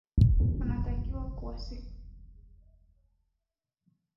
tunawatakia wasikilizaji wetu wote wanapotusikiliza